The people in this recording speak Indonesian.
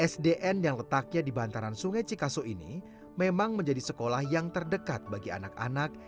sdn yang letaknya di bantaran sungai cikaso ini memang menjadi sekolah yang terdekat bagi anak anak